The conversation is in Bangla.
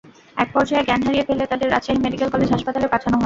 একপর্যায়ে জ্ঞান হারিয়ে ফেললে তাদের রাজশাহী মেডিকেল কলেজ হাসপাতালে পাঠানো হয়।